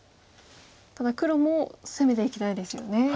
ただ黒も攻めていきたいですよね。